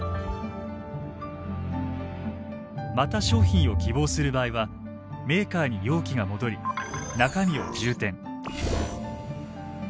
また商品を希望する場合はメーカーに容器が戻り中身を充填。